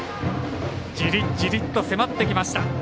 じりじりと迫ってきました。